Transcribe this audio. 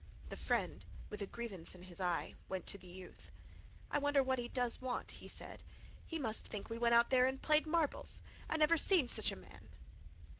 The friend, with a grievance in his eye, went to the youth. "I wonder what he does want," he said. "He must think we went out there an' played marbles! I never see sech a man!"